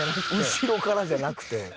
「後ろから」じゃなくて。